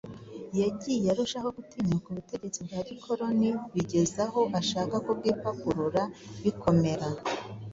Yagiye arushaho gutinyuka ubutegetsi bwa gikoloni bigeza aho ashaka kubwipakurura bikomera